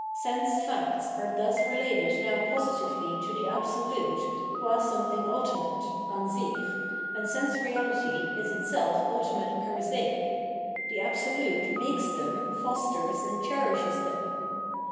Sense facts are thus related now positively to the Algo^^^g g'twj something ultimate {Ansich), and sense reahtj! jg itself ultimate per se; the Absolute makes them, fosters and cherishes them.